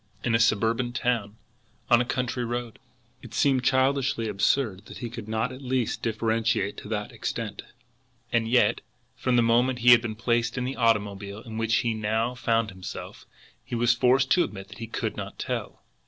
In a suburban town? On a country road? It seemed childishly absurd that he could not at least differentiate to that extent; and yet, from the moment he had been placed in the automobile in which he now found himself, he was forced to admit that he could not tell.